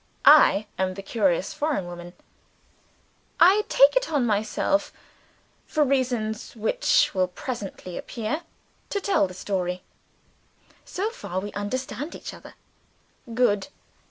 I am the curious foreign woman. And I take it on myself for reasons which will presently appear to tell the story. So far we understand each other. Good.